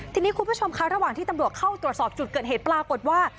ทีนี้คุณผู้ชมคะระหว่างที่ตำรวจเข้าตรวจสอบจุดเกิดเหตุปรากฏว่า